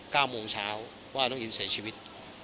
เก้าโมงเช้าว่าน้องอินเสียชีวิต